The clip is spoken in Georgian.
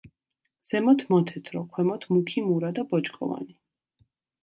ზემოთ მოთეთრო, ქვემოთ მუქი მურა და ბოჭკოვანი.